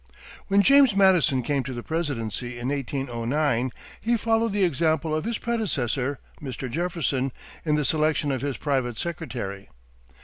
When James Madison came to the presidency in 1809, he followed the example of his predecessor, Mr. Jefferson, in the selection of his private secretary.